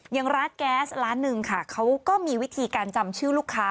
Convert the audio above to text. อย่างร้านแก๊สร้านหนึ่งค่ะเขาก็มีวิธีการจำชื่อลูกค้า